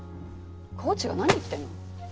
コーチが何言ってるの！